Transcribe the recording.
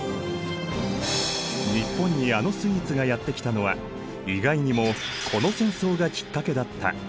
日本にあのスイーツがやって来たのは意外にもこの戦争がきっかけだった。